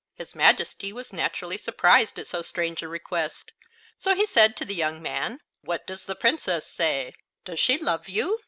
His Majesty was naturally surprised at so strange a request; so he said to the young man: "What does the Princess say? Does she love you?"